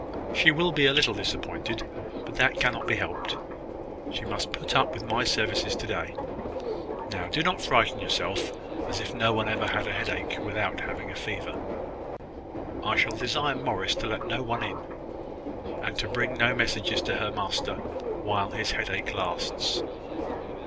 She will be a little disappointed; but that cannot be helped. She must put up with my services to day. Now, do not frighten yourself, as if no one ever had a headache without having a fever." "I shall desire Morris to let no one in; and to bring no messages to her master while his headache lasts."